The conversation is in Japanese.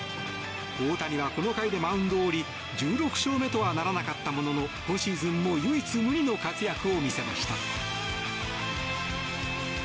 大谷はこの回でマウンドを降り１６勝目とはならなかったものの今シーズンも唯一無二の活躍を見せました。